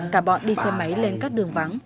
cả bọn đi xe máy lên các đường vắng